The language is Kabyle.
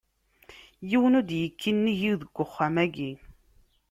Yiwen ur d-ikki nnig-i deg wexxam-agi.